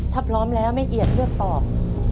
ถ้าพร้อมแล้วแม่เอียดเลือกตอบ